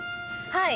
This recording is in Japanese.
はい。